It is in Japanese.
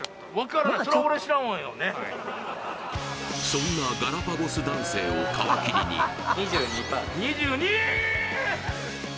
そんなガラパゴス男性を皮切りに２２％です２２！